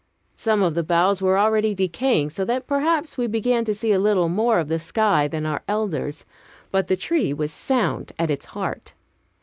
Some of the boughs were already decaying, so that perhaps we began to see a little more of the sky, than our elders; but the tree was sound at its heart.